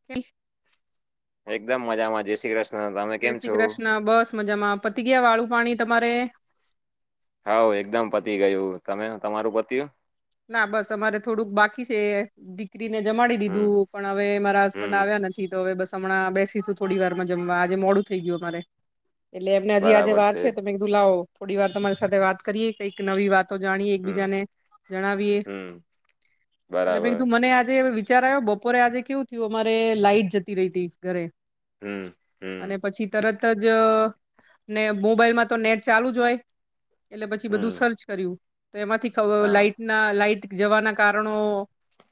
[inaudible] એકદમ મજામાં જેસી કરસ જય શ્રી કૃષ્ણ બસ મજામાં પતી ગયા વાળું પાણી તમારે હા એકદમ પતી ગયું તમે તમારું પત્યું ના બસ અમારે થોડુંક બાકી છે કરીને જમાડી હમ દીધું પણ હવે મારા હસબન્ડ હમ આવ્યા નથી તો હવે બસ હમણા બેસીશું થોડી વાર માં જમવા આજે મોડું થઈ ગયું અમારે એટલે એમને હજી આજે વાર છે તમે લો થોડી વાર તમારી સાથે વાત કરીએ કઈક નવી વાતો જાણીએ હમ એકબીજા ને જણાવીએ હમ બરાબર એટલેીધું મને આજે વિચારો બપોરે આજે કેવું થયું અમારે લાઈટ જતી રહી ત ઘરે હમ હમ અને પછી તરત જ ને મોબાઈલમાં તો નેટ ચાલુ જ હોય એટલે પછી બધું હમ સર્ચ કર્યું તો એમાંથી હા લાઈટના લાાઈટ જવાના કારણો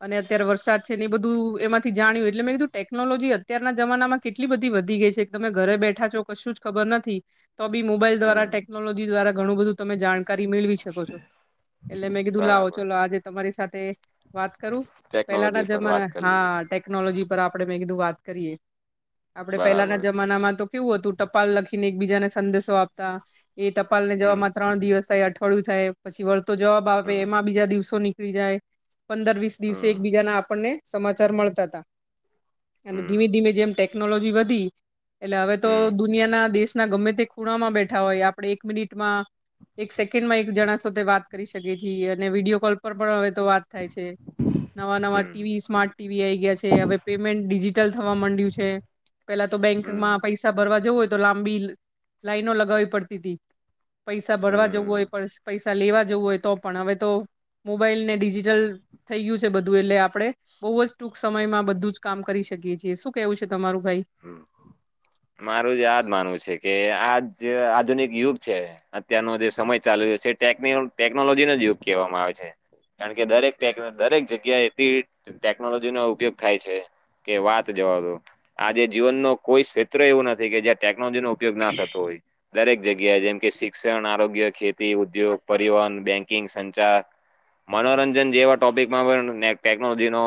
અને અત્યારે વરસાદ છે એ બધું એમાંથી જાણ્યું એટલે મેં કીધું ટેકનોલોજી અત્યના જમાનામાં કેટલી બધી વધી ગઈ છે તમે ઘરે બેઠા છો કશું જ ખબર નથી તો બી મોબાઈલ દ્વારા હમ ટેકનોલોજી દ્વારા ઘણું બધું તમે જાણકારી મેળવી શકો છો એટલે મે કીધું લાવો બરાબર ચલો આજે તમારી સાથે વાત કરું પેલાના ટેકનોલોજી પર વાત જમાના કરી લઈએ હા ટેકનોલોજી પર આપણે મેં કીધું વાત કરીએ આપડણે પેલાના બરાબર જમાનામાં તો કેવું હતું ટપાલ લખીને એકબીજાને સંદેશો આપતા એ ટપાલ ને હમ જવામાં ત્રણ દિવસ થાય અઠવાડયું થાય પછી વળતો જવાબ હવે હમ એમાં બીજા દિવસો નીકળી જાય પંદર વીસ દિવસે હમ એકબીજા ના આપણને સમાચાર મળતા હતા અને હમ ધીમે ધીમે જેમટે વધી એટલે તો હમ દુનિયાના દેશના ગમે તે ખૂણામાં બેઠા હોય આપણે એક મિનિટમાં એક સેકન્ડમાં એક જણા સાથે વાત કરી શકે છીએ અને વિડીિયો કોલ પર પણ હવે તો વાત થાય છે નવા નવા હમ ટીવી સ્માર્ટ ટીવી આઈ ગયા છે હવે પેમેન્ટ ડિજિટલ થવા માંડ્યું છે પેલા તો બેંકમાં હમ પૈસા ભરવા જવું હોય તો લાંબી લાઈનો લગાવવી પડતી ત પૈસા ભરવા જવું હમ હોય પડશે પૈસા લેવા જવું હોય તો પણ હવે તો મોબાઈલ ને ડિજિટલ થઈ ગયું છે બધું એટલે આપણે બહુ જ ટૂંક સમયમાં બધું જ કામ કરી શકીએ છીએ શું કેવું છે તમારું ભાઈ હમ મારું જ યાદ માનવું છે કે આજ જે આધુનિક યુગ છે અત્યારનો જે સમય ચાલુ રહ્યો છેટેક ટેકનોલોજી ન જ યુગ કહેવામાં આવે છે કારણ કે દરેકટે દરેક જગ્યા એથી ટેકનોલોજી નો ઉપયોગ થાય છે કે વાત જવા દો આજે જીવન ન કોઈ ક્ષેત્ર એવું નથી કે જ્યાં ટેકનોલોજી નો ઉપયોગ ના થતો હોય દરેક જગ્યાએ જેમ કે શિક્ષણ આરોગ્ય ખેતી ઉદ્યોગ પરિવહન બેંકિંગ સંચાર મનોરંજન જેવા ટોપિકમાં પણ ટેકનોલોજી નો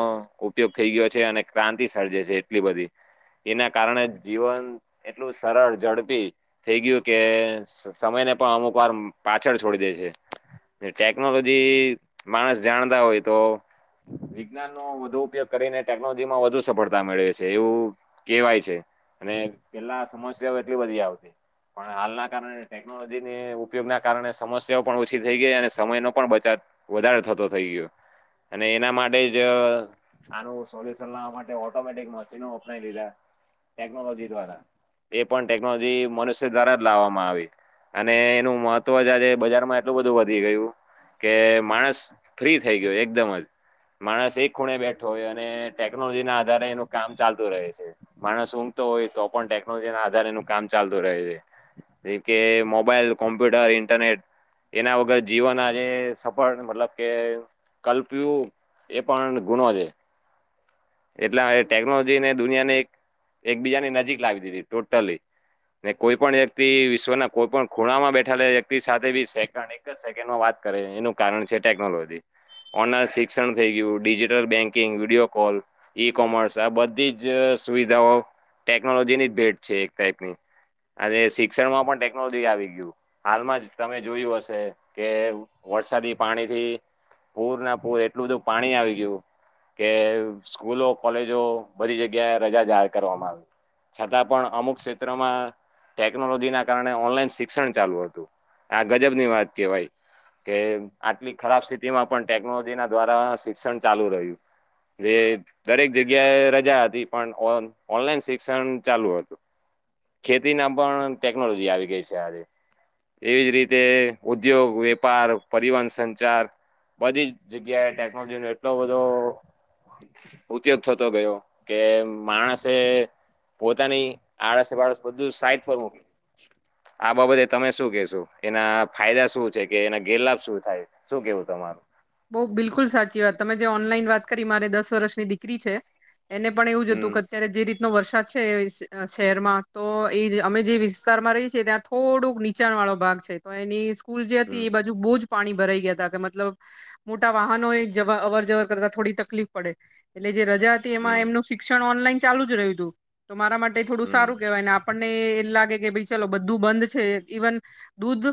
ઉપયોગ થઈ ગયો છે અને ક્રાંતિ સર્જે છે એટલી બધી એના કારણે જીવન એટલું સરળ ઝડપી થઈ ગયું કે સમય ને પણ અમુક વાર પાછળ છોડી દે છે ટેકનોલોજી માણસ જાણતા હોય તો વિજ્ઞાનનોો વધુ ઉપયોગ કરીને ટેકનોલોજી માં વધુ સફળતા મેળવે છે એવું કેવાય છે અને પેલા સમસ્યાઓ એટલી બધી આવતી પણ હાલના કારણે ટેકનોલોજીની ઉપયોગના કારણે સમસ્યાઓ પણ ઓછી થઈ ગઈ અને સમયનો પણ બચાવ વધારે થતો થઇ ગયો અને એના માટે જ આનું સોલ્યુશન લાવવા માટે ઓટોમેટિક મશીનો [unintelligible] ટેકનોલોજી દ્વારા એ પણ ટેકનોલોજી મનુષ્ય દ્વારા જ લાવવામાં આવી. અને એનું મહત્વ જ આજે બજારમાં એટલું બધું વધી ગયું. કે માણસ ફ્રી થઈ ગયો એકદમ જ માણસ એક ખૂણે બેઠો હોય અને ટેકનોલોજીના આધારે એનું કામ ચાલ તુ રહે છે માણસ ઊંઘતો હોય તો પણ ટેકનોલોજી ના આધારે એનું કામ ચાલતું રહે છે. જે કે મોબાઈલ કોમ્પ્યુટર ઇન્ટરનેટ એના વગર જીવન આજે સફળ મતલબ કે કલ્પ્યું એ પણ ગુણો છે. એટલે અવે ટેકનોલોજીને દુનિયાને એકબીજાની નજીક લાવી દીધી ટોટલી ને કોઈ પણ વ્યક્તિ વિશ્વના કોઈ પણ ખૂણા માં બેઠેલા વ્યક્તિ સાથે બી સેકન્ડ એક જ સેકન્ડમાં વાત કરે એનું કારણ છે ટેકનોલોજી ઓનલાઈન શિક્ષણ થઈ ગયું digital banking video call e commerce આ બધી જ સુવિધાઓ ટેકનોલોજીની જ ભેટ છે એક ટાઈપની આજે શિક્ષણમાં પણ ટેકનોલોજી આવી ગ્યુ હાલમાં જ તમે જોયું હશે કે વરસાદી પાણીથી પૂરના પૂર એટલું બધું પાણી આવી ગયું કે સ્કૂલો કોલેજો બધી જગ્યાએ રજા જાહેર કરવામાં આવી છતાં પણ અમુક ક્ષેત્રમાં ટેકનોલોજીના કારણે ઓનલાઈન શિક્ષણ ચાલુ હતું આ ગજબ ની વાત કહેવાય કે આટલી ખરાબ સ્થિતિમાં પણ ટેકનોલોજીના દ્વારા શિક્ષણ ચાલુ રહ્યું જે દરેક જગ્યાએ રજા હતી પણ ઓન ઓનલાઈન શિક્ષણ ચાલુ હતું. ખેતીના પણ ટેકનોલોજી આવી ગઈ છે આજે એવી જ રીતે ઉદ્યોગ વેપાર પરિવહન સંચાર બધી જ જગ્યાએ ટેકનોલોજી નો એટલો બધો ઉપયોગ થતો ગયો કે માણસે પોતાની આળસ બાળસ બધું સાઈટ પર મુકી આ બાબતે તમે શું કહેશો એના ફાયદા શું છે કે એના ગેરલાભ શું થાય? શું કેવું તમારૂ? બઉ બિલકુલ સાચી વાત તમે જે ઓનલાઈન વાત કરી મારે દસ વર્ષની દીકરી છે એને પણ એવું જ હતું કે હમ અત્યારે જે રીતે નો વરસાદ છે શહેરમાં તો એ અમે જે વિસ્તારમાં રહીએ છીએ ત્યા થોડુંક નીચાણ વાળો ભાગ છે તો એની સ્કૂલ જે હમ હતી એ બાજુ બહુ જ પાણી ભરાઈ ગયા હતા કે મતલબ મોટા વાહનો એ જવા અવર જવર કરતા થોડી તકલીફ પડે એટલે જે રજા હતી એમાં હમ એમનું શિક્ષણ ઓનલાઈન ચાલુ જ રહ્યું તું તો મારા માટે થોડું હમ સારું કેવાય અને આમ આપણને લાગે કે ભાઈ ચાલો બધું બંધ છે ઈવન દૂધ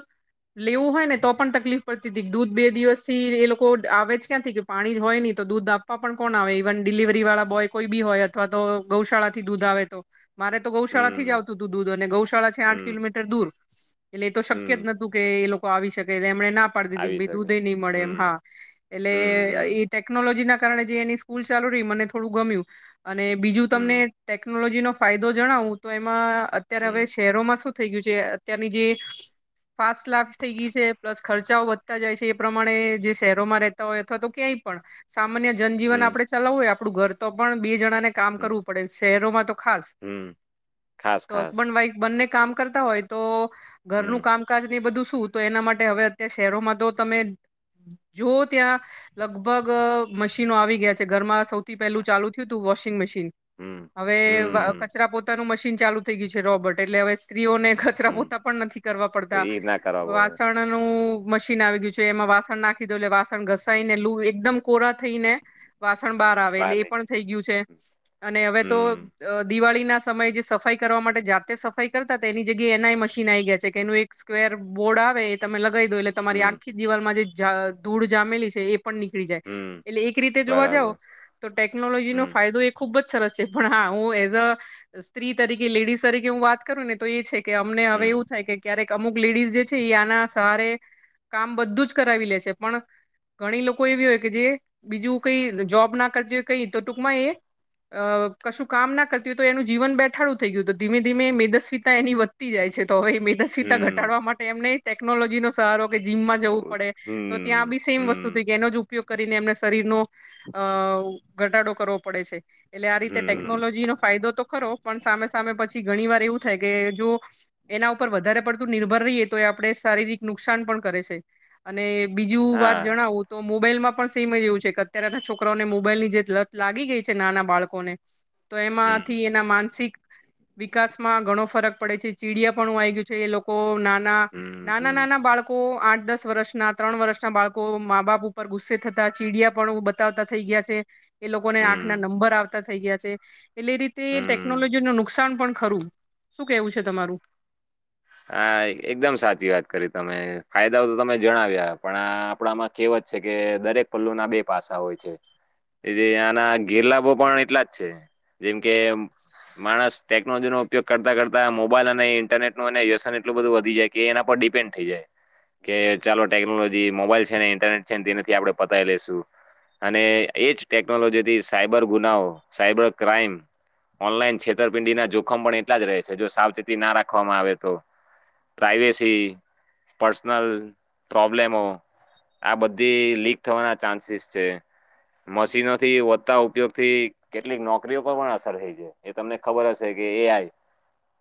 લેવું હોય ને તો પણ તકલીફ પડતી હતી દૂધ બે દિવસ થી એ લોકો કોડ આવે જ ક્યાંથી કે પાણી જ હોય નહી તો દૂધ આપવા પણ કોણ આવે ઇવન ડિલિવરી વાળા બોય કોઈ બી હોય અથવા તો ગૌશાળા થી દૂધ આવે તો મારે તો ગૌશાળાથી જ હમ આવતું હતું દૂધ અને ગૌશાળા છે આઠ હમ કિલોમીટર દૂર એટલે એ તો શક્ય જ હમ નતું કે એ લોકો આવી શકે એમણે ના પાડી દીધી કે આવી ભાઈ શકે દૂધ નહી મળે એમ હમ હા એટલે હમ એ હમ ઈ ટેકનોલોજીના કારણે જે એની સ્કૂલ ચાલુ રહી મને થોડું ગમ્યું અને બીજું તમને હમ ટેકનોલોજીનો ફાયદો જણાવું તો એમાં અત્યારે હવે હમ છે શહેરોમાં શું થઈ ગયું છે અત્યારની જે પાંચ લાખ થઈ ગી છે. પ્લસ ખર્ચાઓ વધતા જાય છે. એ પ્રમાણે જે હમ શહેરોમાં રહેતા હોય અથવા તો ક્યાંય પણ. સામાન્ય જનજીવન હમ આપણે ચલાવવું હોય આપણું ઘર તો પણ બે જણા ને કામ કરવું પડે. શહેરોમાં તો ખાસ. હમ ખાસ તો ખાસ હસબન્ડ વાઈફ બંને કામ કરતા હોય તો હમ ઘરનું કામ કાજ એ બધું શું? તો એના માટે હવે અત્યારે શહેરોમાં તો તમે જો ત્યાં લગભગ મશીનો આવી ગયા છે. ઘરમાં સૌથી પહેલું ચાલુ થયું હતું વોશિંગ મશીન. હમ. હવે હમ કચરા પોતાનું મશીન ચાલુ થઈ ગયું છે રોબર્ટ. એટલે અવે સ્ત્રીઓને કચરા હમ પોતા પણ નથી કરવા પડતા. ઈ ના કરવા પડે વાસણનું મશીન આવી ગયું છે. એમાં વાસણ નાખ દો એટલે વાસણ ઘસાઈ ને લો એકદમ કોરા થઈને વાસણ બાર આવે. બહાર એટલે એ પણ નીકળી થઈ ગયું છે. અને અવે તો હમ અ દિવાળીના સમયે જે સફાઈ કરવા માટે જાતે સફાઈ કરતા તો એની જગ્યાએ એનાઆઈ મશીન આવી ગયા છે કે એનું એક સ્ક્વેર બોર્ડ આવે એ તમે લગાવી દો. એટલે તમારી હમ આખી દિવાલમાં જે ધૂળ જામેલી છે એ પણ નીકળી જાય. હમ એટલે એક રીતે જોવા જાઓ બરાબર તો ટેકનોલોજીનો હમ ફાયદો એ ખૂબ જ સરસ છે. પણ હા હું એઝ અ સ્ત્રી તરીકે લેડીસ તરીકે હું વાત કરું ને તો એ છે કે અમને હમ હવે એવું થાય કે ક્યારેક અમુક લેડીઝ જે છે એ આના સહારે કામ બધું જ કરાવી લે છે. પણ ઘણી લોકો એવી હોય કે જે બીજું કઈ જોબ ના કરતી હોય કઈ તો ટૂંકમાં એ અ કશું કામ ના કરતી હોય. તો એનું જીવન બેઠાળુ થઈ ગયું. તો ધીમે- ધીમે મેદસ્વીતા એની વ ધતી જાય છે. તો હવે એ મેદસ્વીતા ઘટાડવા માટે એમનેય ટેકનોલોજીનો સહારો કે જીમમાં જવું પડે. તો ત્યાં બી સેમ વસ્તુથી એનો જ ઉપયોગ કરીને એમને શરીરનો અ ઘટાડો કરવો પડે છે. એટલે આ રીતે ટેક્નોલોજીનો ફાયદો તો ખરો. પણ સામે -સામે પછી ઘણી વાર એવું થાય કે જો. એના ઉપર વધારે પડતું નિર્ભર રહીએ તો આપણે શારીરિક નુકસાન પણ કરે છે. અને બીજું વાત જણાવું. તો મોબાઈલમાં પણ સેમ જ એવું છે કે અત્યારેના છોકરાઓને મોબાઈલની જે લત લાગી ગઈ છે નાના બાળકોને. [inaudible] તો હમ, એમાંથી એના માનસિક વિકાસમાં ઘણો ફરક પડે છે. ચીડિયા પણું આવી ગયું છે એ લોકો નાના હમ, -નાના- હમ, નાના બાળકો આઠ દસ વર્ષના ત્રણ વર્ષના બાળકો મા બાપ ઉપર ગુસ્સે થતા ચીડયા પણ બતાવતા થઈ ગયા છે. એ લોકોને આંખના હમ, નંબર આવતા થઈ ગયા છે. એટલે એ રીતે હમ. ટેક્નોલોજી નો નુકસાન પણ ખરું. શું કેવું છે તમારું? આ એકદમ સાચી વાત કરી તમે. ફાયદાઓ તો તમે જણાવ્યા. પણ આ આપણામાં કહેવત છે કે દરેક પલ્લુના બે પાસાં હોય છે. અને આના ગેરલાભો પણ એટલા જ છે. જેમ કે માણસ ટેક્નોલોજીનો ઉપયોગ કરતા- કરતા મોબાઈલ અને ઇન્ટરનેટ વ્યસન એટલું બધું જાય કે એના પર ડિપેન થઈ જાય. કે ચાલો ટેક્નોલોજી તે મોબાઈલ છે ને ઇન્ટરનેટ છે ને તેનાથી આપણે પતાવી લઈેશું. અને એજ ટેકનોલોજીથી સાયબર ગુનાઓ, સાયબર ક્રાઈમ. ઓનલાઈન છેતરપિંડીના જોખમ પણ એટલા જ રહે છે. જો સાવચેતી ના રાખ વામાં આવે તો. પ્રાઈવેસી, પર્સનલ પ્રોબ્લેમો આ બધી લીક થવાના ચાન્સીસ છે. મશીનોથી વધતા ઉપયોગથી કેટલીક નોકરીઓ પર પણ અસર થઈ છે. એ તમને ખબર હશે કે એ આઈ.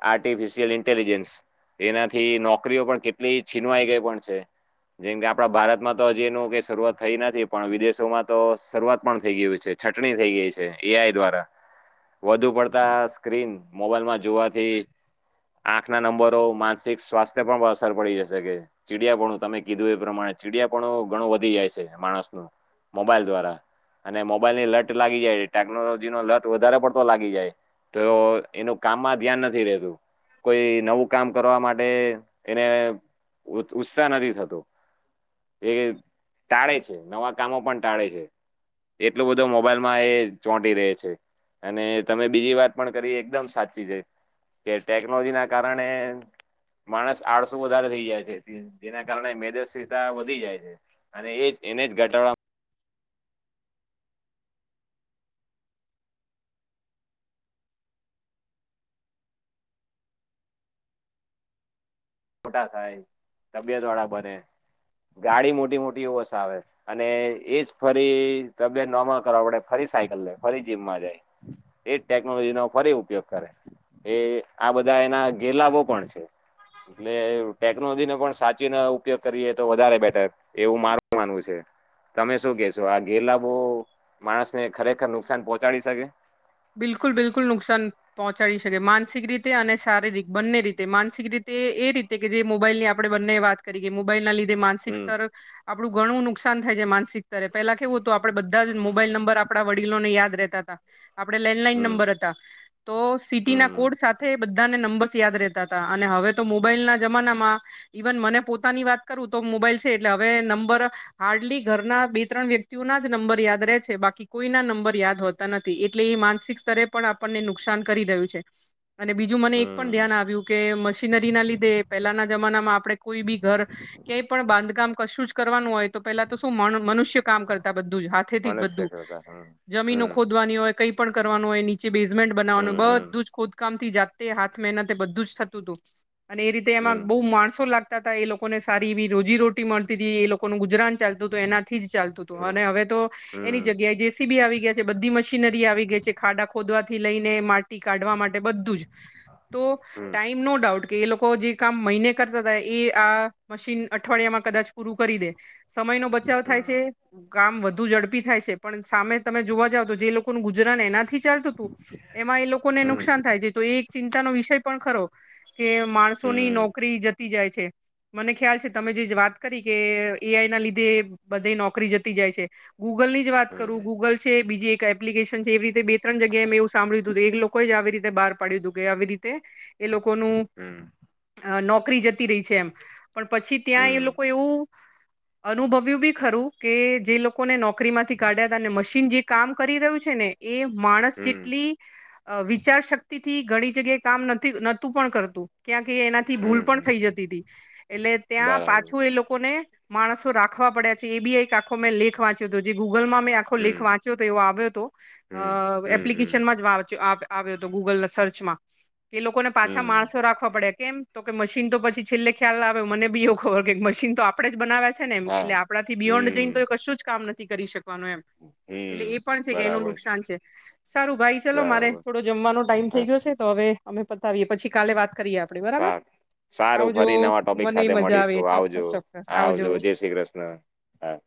Artificial intelligence. એનાથી નોકરીઓ પણ કેટલી છીનવાઈ ગઈ પણ છે. જેમ કે આપડા ભારતમાં તો હજી એનું કઈ થઈ નથી. પણ વિદેશોમાં તો શરૂઆત પણ થઈ ગિયું છે. છટણી થઈ ગઈ છે એ આઈ દ્વારા. વધુ પડતા સ્ક્રીન મોબાઈલમાં જોવાથી. આંખના નંબરો માનસિક સ્વાસ્થ્ય પર પણ અસર પડી જશે કે ચીડિયાપણું તમે કીધું એ પ્રમાણે ચીડિયાપણ ઘણું વધી જાય છે માણસનું મોબાઈલ દ્વારા અને મોબાઈલની લટ લાગી જાય ટેકનોલોજીનો લટ વધારે પડતો લાગી જાય તો એનું કામમાં ધ્યાન નથી રેતું. કોઈ નવું કામ કરવા માટે એને ઉ-ઉત્સાહ નથી થતો. એ ટાળે છે, નવા કામો પણ ટાળે છે. એટલો બધો મોબાઈલમાં એ ચોંટી રહે છે. અને તમે બીજી વાત પણ કરી એકદમ સાચી છે કે ટેક્ નોલોજીના કારણે માણસ આળસું વધારે થઈ જાય છે જેના કારણે મેદસ્વિતા વધી જાય છે. અને એજ એને જ ઘટાડવામાં મોટા થાય, તબિયત વાળા બને, ગાડી મોટી મોટીઓ વસાવે અને એજ ફરી તબિયત નોર્મલ કરવા પડે ફરી સાયકલ લે, ફરી જીમમાં જાય એજ ટેકનોલોજીનો ફરી ઉપયોગ કરે એ આ બધા એના ઘેરલાભો પણ છે. એટલે ટેકનોલોજીનો પણ સાચવીન ઉપયોગ કરીએ તો વધારે બેટર એવું મારું માનવું છે. તમે શું કેશો આ ગેરલાભો માણસને ખરેખર નુકસાન પહોંચાડી શકે? બિલકુલ બિલકુલ નુકસાન પહોંચાડી શકે માનસિક રીતે અને શારીરિક બંને રીતે માનસિક રીતે એ રી તે કે જે મોબાઈલની આપણે બંને વાત કરીએ મોબાઈલના લીધે માનસિક હમ સ્તર આપડું ઘણું નુકસાન થાય છે માનસિક સ્તરે. પેલા કેવું હતું આપડે બધા જ મોબાઈલ નંબર આપડા વડીલોને યાદ રહેતા હતા. આપણે લેન્ડલાઈન હમ નંબર હતા તો સિટીના હમ કોડ સા થે બધાને નંબર્સ યાદ રહેતા હતા અને હવે તો મોબાઈલના જમાનામાં ઈવન મને પોતાની વાત કરું તો મોબાઈલ છે એટલે હવે નંબર હાર્ડલી ઘરના બે ત્રણ વ્યક્તિઓના જ નંબર યાદ રહે છે બાકી કોઈના નંબર યાદ હોતા નથી એટ લી માનસિક સ્તરે પણ આપણને નુકસાન કરી રહ્યું છે. અને બીજું મને એક પણ હમ ધ્યાન આવ્યું કે મશીનરીના લીધે પહેલાના જમાનામાં આપડે કોઈ બી ઘર ક્યાંય પણ બાંધકામ કશું જ કરવાનું હોય તો પેલા તો શું મનુ-મનુષ્ય કામ કરતા બધું જ હાથેથી જ મનુષ્ય બધું કરતા હમ જમીનો હમ ખોદવાની હોય કઈ પણ કરવાનું હોય નીચે બેઝમેન્ટ બનાવાનું હમ બધું જ ખોદ કામથી જાતે હાથ મહેનત બધું જ થતું તું અને એ રીતે એમાં હમ બહુ માણસો લાગતા તા એ લો લોકોને સારી એવી રોજી રટી મળતી તી એ લોકોનું ગુજરાન ચાલતું તું એનાથી જ ચાલતું તું હમ અને હવે તો એની હમ જગ્યાએ જેસીબી આવી ગયા છે બધી મશીનરી આવી ગઈ છે ખાડા ખોદવાથી લઈને મા ટી કાઢવા માટે બધું જ તો હમ ટાઈમ નો ડાઉટ કે એ લોકો જે કામ મહિને કરતા તા એ આ મશીન અઠવાડિયામાં કદાચ પૂરું કરી દે સમયનો બચાવ થાય છે, હમ કામ વધુ ઝડપી થાય છે પણ સામે તમે જોવા જાવ તો જે લો કોનું ગુજરાન એનાથી ચાલતું તું એમાં એ લોકોને હમ નુકસાન થાય છે તો એ એક ચિંતાનો વિષય પણ ખરો કે માણસોની હમ નોકરી જતી જાય છે. મને ખ્યાલ છે તમે જે-જે વાત કરી કે એ આઈના લીધે બધે નોકરી જતી જાય છે ગૂગલની જ વાત હમ કરું ગૂગલ છે બીજી એક એપ્લિકેશન છે એવી રીતે બે ત્રણ જગ્યાએ મે એવું સાંભળ્યું તું એ લોકોએ જ આવી રીતે બહાર પાડ્યું તું કે આવી રીતે એ લોકોનું હમ અ નોકરી જતી રહી છે એમ પણ પછી ત્યાં એ હમ લોકો એવું અનુભવ્યું બી ખરું કે જે લોકોને નોકરીમાંથી કાઢ્યા હતા ને મશીન જે કામ કરી રહ્યું છે ને, એ માણસ હમ જેટલી વિચાર શક્તિથી ઘણી જગ્યાએ કામ નથી નતું પણ કરતું ક્યાં કે એના થી ભૂલ હમ પણ હમ થઈ જતી હતી એટલે ત્યાં બરાબર પાછું એ લોકોને માણસો રાખવા પડ્યા છે એ બી એક આખો મેં લેખ વાંચ્યો હતો જે ગુગલમાં મેં આખો લેખ હમ વાંચ્યો હતો એવો આવ્યો તો અ હમ હમ હમ એપ્લિકેશનમાં આવ્ય આવ્યો તો ગૂગલના સર્ચમાં. એ લોકોને પાછા હમ માણસો રાખવા પડે, કેમ તો કે મશીન તો પછી છેલ્લે ખ્યાલ આવે મને બી એવું ખબર કે મશીન તો આપડે જ બનાવ્યા છે ને એમ એટલે હા આપણાથી બિયોન્ડ જઈને તો હમ એ કશું જ કામ નથી કરી શકવાનું એમ. એટલે હમ એ પણ છે કે એનું બરાબર નુકસાન છે સારું ભાઈ ચલો મારે બરાબર તો જમવાનો ટાઈમ થઈ હા, ગયો છે તો હવે અમે પતાવીએ પછી કાલે વાત કરીએ આપડે બરાબર. સારું સારું આવજો ફરી નવા ટોપિક મને સાથે મજા આવે મળીશું આવજો, ચોક્કસ ચોક્કસ આવજો જય શ્રી કૃષ્ણ. હા.